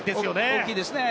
大きいですよね。